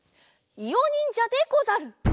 いおにんじゃでござる！